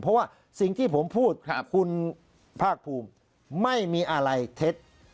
เพราะว่าสิ่งที่ผมพูดคุณภาคภูมิไม่มีอะไรเท็จ